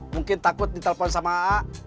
mungkin takut di telepon sama aa